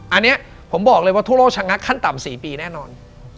อันนี้ผมบอกเลยว่าทั่วโลกชะงักขั้นต่ำ๔ปีแน่นอน